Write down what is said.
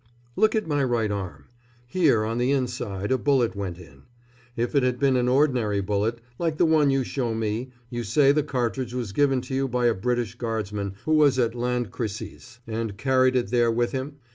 Look at my right arm. Here, on the inside, a bullet went in. If it had been an ordinary bullet, like the one you show me you say the cartridge was given to you by a British Guardsman who was at Landrecies and carried it there with him?